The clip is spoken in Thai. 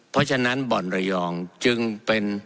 เพราะฉะนั้นบ่อนระยองจึงเป็น